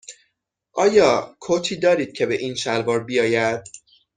آیا کتی دارید که به این شلوار بیاید؟